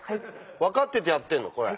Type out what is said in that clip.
分かっててやってんのこれ。